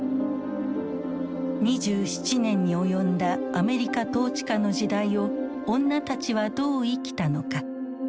２７年に及んだアメリカ統治下の時代を女たちはどう生きたのか。